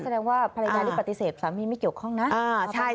อ๋อแสดงว่าภรรยาได้ปฏิเสธสามีไม่เกี่ยวข้องนะเออประมาณนี้